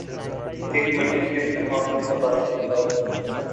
ایک مٹی کے طوفان نے تباہی مچا دی